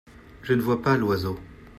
Je ne vois pas l’oiseau.